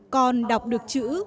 con đọc được chữ